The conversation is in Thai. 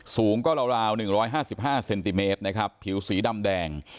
สูงก็ราว๑๕๕เซนติเมตรนะครับผิวสีดำแดง